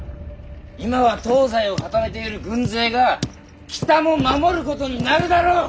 今は東西を固めている軍勢が北も守ることになるだろう！